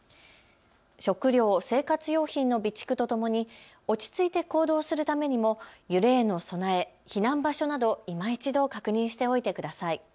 食料・生活用品の備蓄とともに落ち着いて行動するためにも揺れへの備え、避難場所などいま一度確認しておいてください。